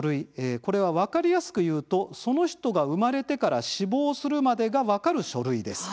これは分かりやすく言うとその人が生まれてから死亡するまでが分かる書類です。